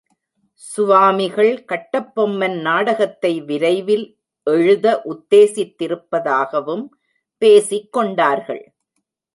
சுவாமிகள் கட்டபொம்மன் நாடகத்தை விரைவில் எழுத உத்தேசித்திருப்பதாகவும் பேசிக் கொண்டார்கள்.